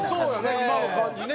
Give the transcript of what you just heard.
今の感じね。